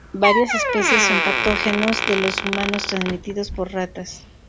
Varias especies son patógenos de los humanos transmitidos por ratas.